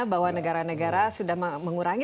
bahwa negara negara sudah mengurangi